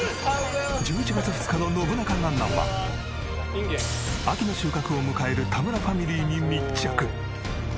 １１月２日の『ノブナカなんなん？』は秋の収穫を迎える田村ファミリーに密着。